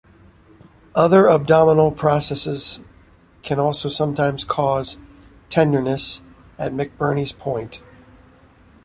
Other abdominal processes can also sometimes cause tenderness at McBurney's point.